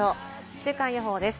週間予報です。